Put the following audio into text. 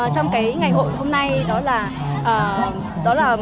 trong ngày hội hôm nay đó là